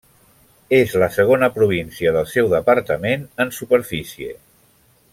És la segona província del seu departament en superfície.